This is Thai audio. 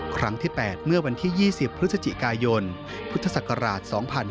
ครั้งที่๘เมื่อวันที่๒๐พฤศจิกายนพุทธศักราช๒๕๕๙